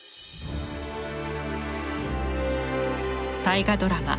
大河ドラマ